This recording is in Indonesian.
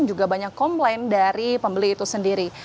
juga banyak komplain dari pembeli itu sendiri